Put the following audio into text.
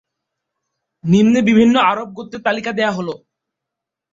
নিম্নে বিভিন্ন আরব গোত্রের তালিকা দেয়া হল।